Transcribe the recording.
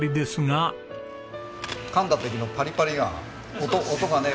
かんだ時のパリパリが音がね